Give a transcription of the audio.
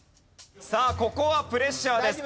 さあここはプレッシャーです。